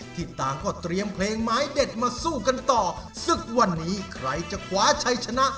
ที่ต่างก็เตรียมเพลงไม้เด็ดมาสู้กันต่อศึกวันนี้ใครจะคว้าชัยชนะ